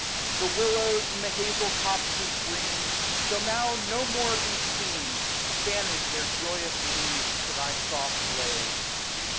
The willows, and the hazel copses green, Shall now no more be seen Fanning their joyous leaves to thy soft lays.